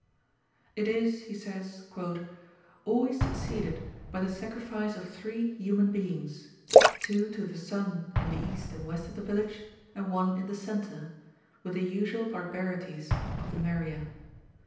"It is," he says, "always succeeded by the sacrifice of three human beings, two to the sun in the east and west of the village, and one in the centre, with the usual barbarities of the Meriah.